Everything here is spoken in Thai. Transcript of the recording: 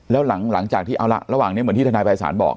แล้วหลังจากที่เอาละระหว่างนี้เหมือนที่ทนายภัยศาลบอก